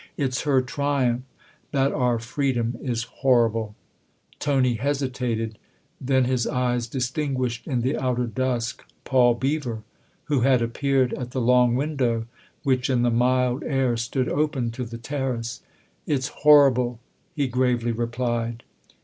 " It's her triumph that our freedom is horrible !" Tony hesitated ; then his eyes distinguished in the outer dusk Paul Beever, who had appeared at the long window which in the mild air stood open to the terrace. " It's horrible," he gravely replied.